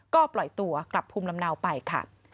ก็ปล่อยตัวกลับภูมิลำเนาไปค่ะ